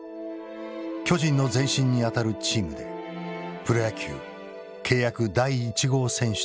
巨人の前身にあたるチームでプロ野球契約第一号選手となった。